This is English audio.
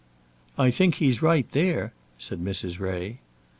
"I think he's right there," said Mrs. Ray.